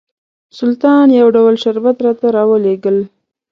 سلطان یو ډول شربت راته راولېږل.